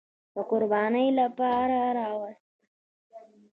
د قربانۍ لپاره راوست.